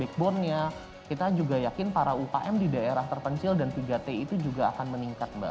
backbone nya kita juga yakin para ukm di daerah terpencil dan tiga t itu juga akan meningkat mbak